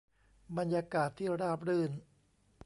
บรรยากาศที่ราบรื่น